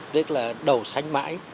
tức là đầu sanh mãi